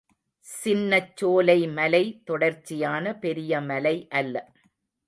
சின்னச் சோலைமலை, தொடர்ச்சியான பெரிய மலை அல்ல.